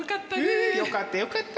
ふよかったよかった。